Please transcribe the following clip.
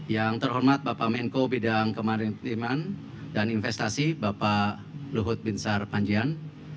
yang terhormat bapak menko bidang kemaritiman dan investasi bapak luhut binsar panjian